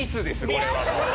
これはもう。